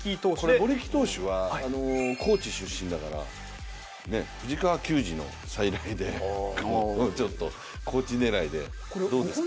森木投手は高知出身だから藤川球児の再来で高知狙いで、どうですか。